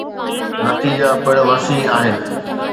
نتيجا پڻ وسيع آهن